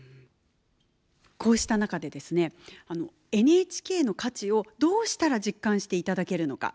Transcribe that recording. こうした中でですねＮＨＫの価値をどうしたら実感していただけるのか。